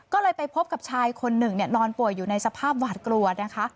ก็เลยไปพบกับชายคนหนึ่งนอนป่วยอยู่ในสภาพหวาดกลัวนะคะ